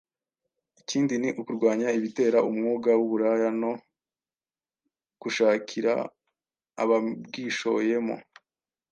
Ikindi ni ukurwanya ibitera umwuga w’uburaya no gushakira ababwishoyemo